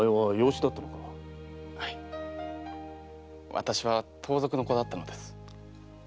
私は盗賊の子だったのです。